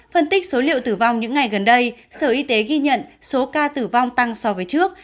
phân tích số liệu tử vong những ngày gần đây sở y tế ghi nhận số ca tử vong tăng so với trước